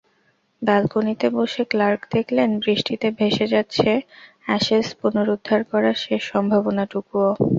ব্যালকনিতে বসে ক্লার্ক দেখলেন, বৃষ্টিতে ভেসে যাচ্ছে অ্যাশেজ পুনরুদ্ধার করার শেষ সম্ভাবনাটুকুও।